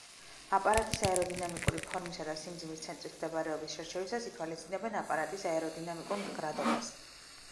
აპარატის აეროდინამიკური ფორმისა და სიმძიმის ცენტრის მდებარეობის შერჩევისას ითვალისწინებენ აპარატის აეროდინამიკურ მდგრადობას.